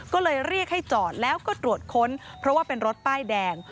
ก็เลยเรียกให้จอดแล้วก็ตรวจค้นเพราะว่าเป็นรถป้ายแดง